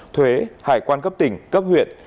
thuế hải quan cấp tỉnh cấp huyện